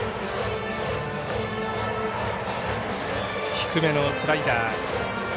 低めのスライダー。